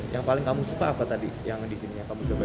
yang paling kamu suka apa tadi yang di sini yang kamu coba